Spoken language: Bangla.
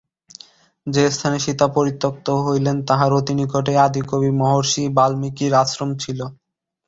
যে স্থানে সীতা পরিত্যক্তা হইলেন, তাহার অতি নিকটেই আদিকবি মহর্ষি বাল্মীকির আশ্রম ছিল।